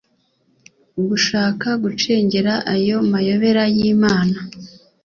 gushaka gucengera ayo mayobera yimana